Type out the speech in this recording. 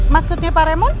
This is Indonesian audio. maksudnya pak raymond